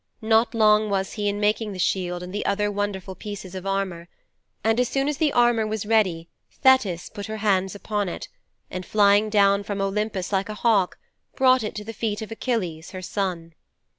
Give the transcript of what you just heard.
Not long was he in making the shield and the other wonderful pieces of armour. As soon as the armour was ready Thetis put her hands upon it, and flying down from Olympus like a hawk, brought it to the feet of Achilles, her son.'